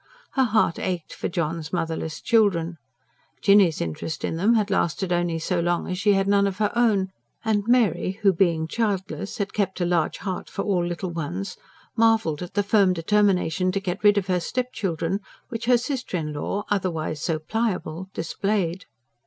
Her heart ached for John's motherless children. Jinny's interest in them had lasted only so long as she had none of her own; and Mary, who being childless had kept a large heart for all little ones, marvelled at the firm determination to get rid of her stepchildren which her sister in law, otherwise so pliable, displayed.